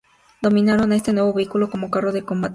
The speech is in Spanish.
Denominaron a este nuevo vehículo como carro de combate.